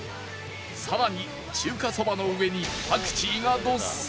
さらに中華そばの上にパクチーがどっさり！